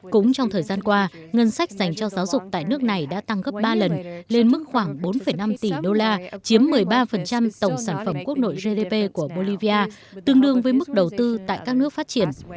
cũng trong thời gian qua ngân sách dành cho giáo dục tại nước này đã tăng gấp ba lần lên mức khoảng bốn năm tỷ đô la chiếm một mươi ba tổng sản phẩm quốc nội gdp của bolivia tương đương với mức đầu tư tại các nước phát triển